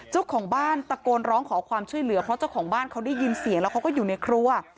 เจ้าของบ้านตะโกนร้องขอความช่วยเหลือเพราะเจ้าของบ้านเขาได้ยินเสียงแล้วเขาก็อยู่ในครัว